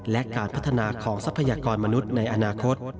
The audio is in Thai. และการพัฒนาของทรัพยากรมนุษย์ในอนาคต